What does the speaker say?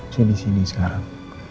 saya di sini sekarang